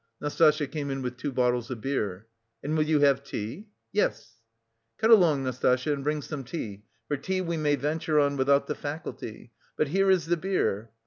Nastasya came in with two bottles of beer. "And will you have tea?" "Yes." "Cut along, Nastasya, and bring some tea, for tea we may venture on without the faculty. But here is the beer!"